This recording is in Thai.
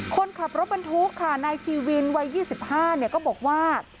คนขับรถบรรทุกค่ะนายชีวินวัย๒๕ก็บอกว่า